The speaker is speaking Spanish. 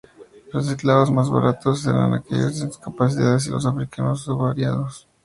Los esclavos más baratos eran aquellos con discapacidades y los africanos subsaharianos.